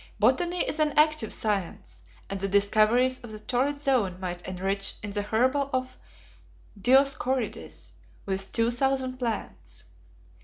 Botany is an active science, and the discoveries of the torrid zone might enrich the herbal of Dioscorides with two thousand plants.